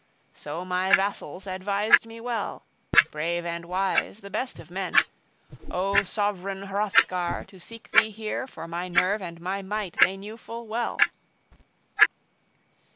So my vassals advised me well, brave and wise, the best of men, O sovran Hrothgar, to seek thee here, for my nerve and my might they knew full well.